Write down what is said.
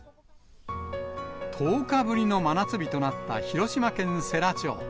１０日ぶりの真夏日となった広島県世羅町。